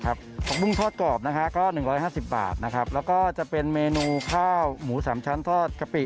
ผักบุ้งทอดกรอบนะฮะก็๑๕๐บาทนะครับแล้วก็จะเป็นเมนูข้าวหมูสามชั้นทอดกะปิ